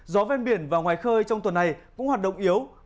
gió ven biển và ngoài khơi trong tuần này cũng hoạt động yếu